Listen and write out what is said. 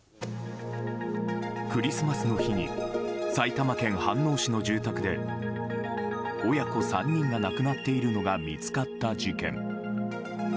クリスマスの日に埼玉県飯能市の住宅で親子３人が亡くなっているのが見つかった事件。